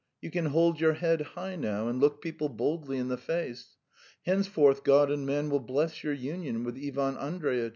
You can hold your head high now, and look people boldly in the face. Henceforth God and man will bless your union with Ivan Andreitch.